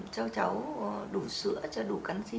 cho cháu đủ sữa cho đủ canxi